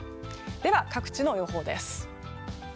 では各地の予報です。